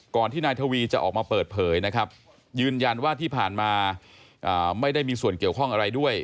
ที่นายทวีจะออกมาเปิดเผยนะครับยืนยันว่าที่ผ่านมาไม่ได้มีส่วนเกี่ยวข้องอะไรด้วย